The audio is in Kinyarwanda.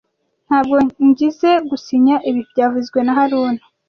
Ntabwo ngizoe gusinya ibi byavuzwe na haruna